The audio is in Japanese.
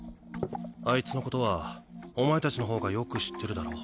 あいつのことはお前達の方がよく知ってるだろ？